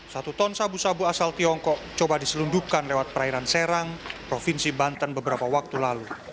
satu ton sabu sabu asal tiongkok coba diselundupkan lewat perairan serang provinsi banten beberapa waktu lalu